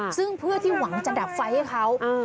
ซึ่งเพื่อที่หวังจะดับไฟให้เขา